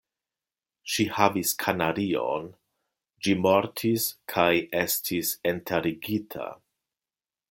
Ŝi havis kanarion; ĝi mortis kaj estis enterigita.